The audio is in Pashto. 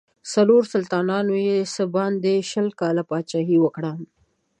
څلورو سلطانانو یې څه باندې شل کاله پاچهي وکړه.